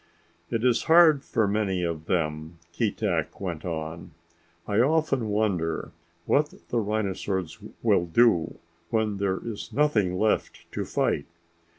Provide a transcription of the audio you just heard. "It is hard for many of them," Keetack went on. "I often wonder what the rhinosaurs will do when there is nothing left to fight.